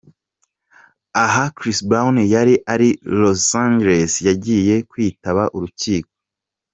Aha Chris Brown yari ari i Los Angeles yagiye kwitaba urukiko.